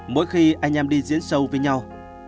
mỗi khi anh em đi diễn show với nhau